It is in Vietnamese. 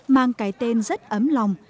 mang cái tên rất ấm lòng